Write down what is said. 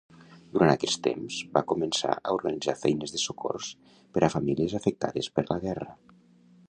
Durant aquest temps, va començar a organitzar feines de socors per a famílies afectades per la guerra.